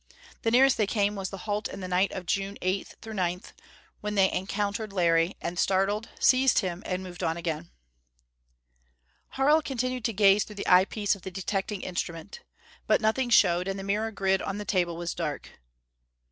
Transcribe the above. The nearest they came was the halt in the night of June 8 9, when they encountered Larry, and, startled, seized him and moved on again. Harl continued to gaze through the eyepiece of the detecting instrument. But nothing showed, and the mirror grid on the table was dark.